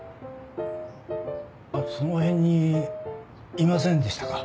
あっその辺にいませんでしたか？